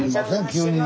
急に。